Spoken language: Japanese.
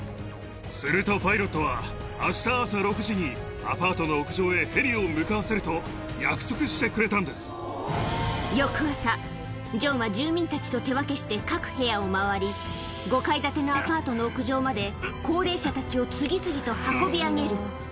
するとパイロットは、あした朝６時に、アパートの屋上へヘリを向翌朝、ジョンは住民たちと手分けして各部屋を回り、５階建てのアパートの屋上まで、高齢者たちを次々と運び上げる。